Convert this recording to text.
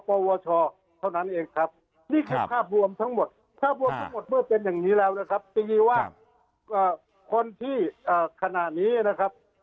ปวชเท่านั้นเองครับนี่แข้วรวมทั้งหมดเท่าผมได้เท่าเป็นอย่างนี้แล้วนะครับดี้ว่าคนที่ขณะนี้นะ